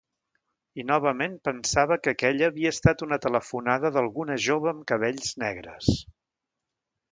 I novament pensava que aquella havia estat una telefonada d'alguna jove amb cabells negres...